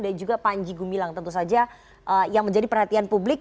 dan juga panji gumilang tentu saja yang menjadi perhatian publik